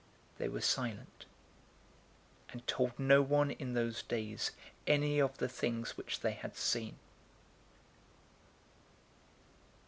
They were silent, and told no one in those days any of the things which they had seen.